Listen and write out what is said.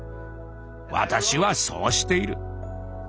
私はそうしている。